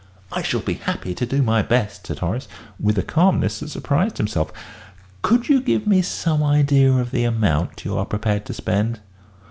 "I shall be happy to do my best," said Horace, with a calmness that surprised himself. "Could you give me some idea of the amount you are prepared to spend?"